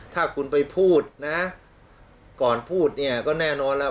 ถ้าคุณไปพูดนะก่อนพูดเนี่ยก็แน่นอนแล้ว